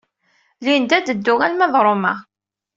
Linda ad teddu arma d Roma.